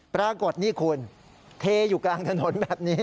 ปรากฏนี่คุณเทอยู่กลางถนนแบบนี้